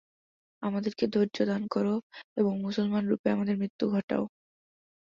আমাদেরকে ধৈর্যদান কর এবং মুসলমানরূপে আমাদের মৃত্যু ঘটাও।